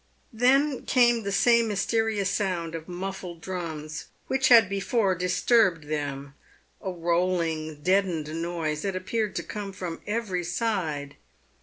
Then came the same mysterious sound of muffled drums which had before disturbed them — a. rolling, deadened noise, that appeared to come from every side.